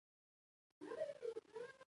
د کندهار په خاکریز کې د ګچ نښې شته.